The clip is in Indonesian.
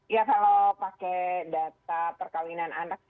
ya kalau pakai data perkawinan anak